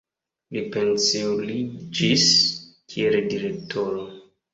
Li pensiuliĝis kiel direktoro.